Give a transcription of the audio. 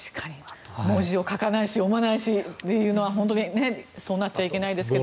文字を書かないし読まないしというのはそうなっちゃいけないですけど。